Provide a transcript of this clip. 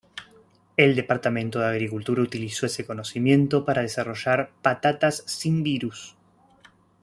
El Departamento de Agricultura utilizó ese conocimiento para desarrollar patatas sin virus.